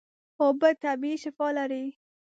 اوبه طبیعي شفاء لري.